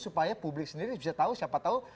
supaya publik sendiri bisa tahu siapa tahu